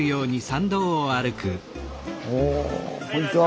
おこんにちは。